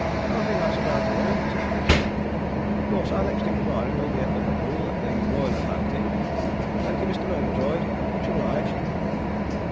"I think that's about all," said the detective. "Of course, our next inquiry will be at Liverpool at the Royal Atlantic. Thank you, Mr. Murgatroyd much obliged."